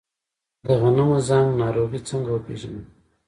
د غنمو زنګ ناروغي څنګه وپیژنم؟